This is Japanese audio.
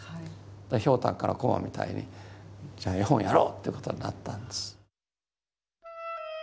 「ひょうたんから駒」みたいにじゃあ絵本をやろうっていうことになったんです。